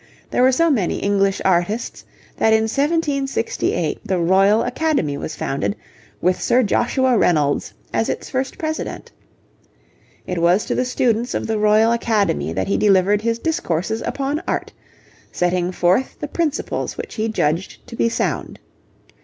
There were so many English artists that in 1768 the Royal Academy was founded, with Sir Joshua Reynolds as its first president. It was to the students of the Royal Academy that he delivered his Discourses upon Art, setting forth the principles which he judged to be sound.